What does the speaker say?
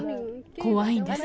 怖いんです。